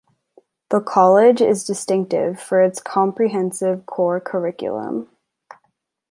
The college is distinctive for its comprehensive Core Curriculum.